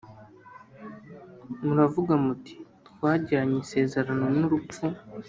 Muravuga muti «Twagiranye isezerano n’urupfu,